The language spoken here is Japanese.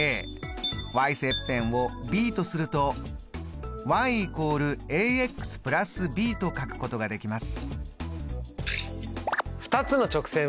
ｙ切片をｂとするとｙ＝＋ｂと書くことができます。